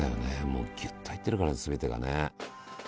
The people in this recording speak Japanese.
もうギュッと入ってるから全てがね。